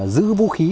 giữ vũ khí